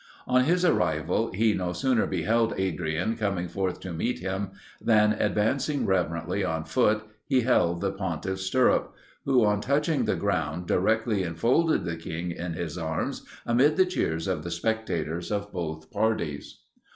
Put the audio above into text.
On his arrival, he no sooner beheld Adrian coming forth to meet him, than, advancing reverently on foot, he held the pontiff's stirrup; who, on touching the ground, directly enfolded the king in his arms, amid the cheers of the spectators of both parties.